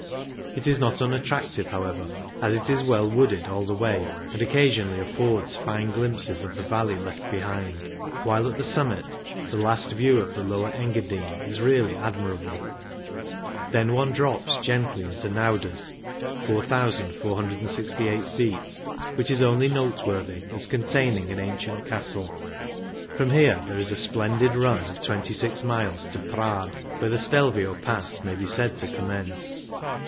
It is not unattractive, however, as it is well wooded all the way, and oc casionally affords fine glimpses of the valley left behind, while at the summit the last view of the lower Engadine is really admirable. Then one drops gently into Nauders (4,468 feet), which is only note worthy as containing an ancient castle. 20 CYCLING IN THE ALPS From here there is a splendid run of twenty six miles to Prad, where the Stelvio Pass may be said to commence.